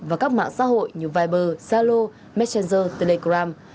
và các mạng xã hội như viber zalo messenger telegram